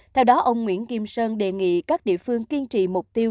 theo đó ông nguyễn kim sơn đề nghị các địa phương kiên trì mục tiêu